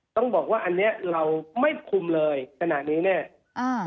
ต้องบอกว่าอันเนี้ยเราไม่คุมเลยขณะนี้เนี่ยอ่า